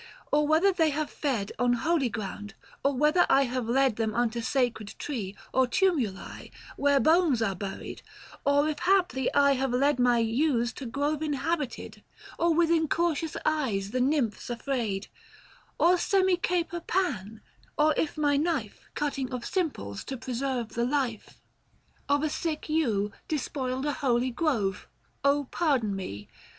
Or whether they have fed 860 On holy ground, or whether I have led Them unto sacred tree, or tumuli Where bones are buried; or if haply I Have led my ewes to grove inhibited, Or with incautious eyes the Nymphs affrayed, 865 Or Semi caper Pan ; or if my knife, Cutting of simples, to preserve the life k 2 132 THE FASTI. Book IV. Of a sick ewe, despoiled a holy grove, Oh pardon me.